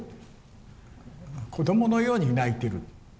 子供のように泣いてる。